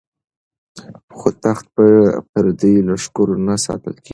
خو تخت په پردیو لښکرو نه ساتل کیږي.